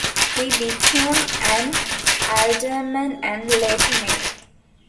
He became an alderman and later mayor.